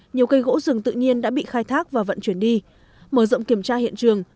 nhiều cây gỗ rừng tự nhiên đã bị khai thác và vận chuyển đi mở rộng kiểm tra hiện trường